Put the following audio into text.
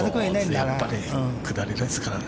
◆やっぱり下りですかね。